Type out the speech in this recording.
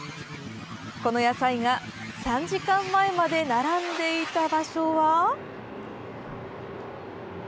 この野菜が３時間前まで並んでいた場所は。